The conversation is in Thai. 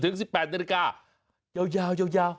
๑๘นิดนาทีการ์ยาว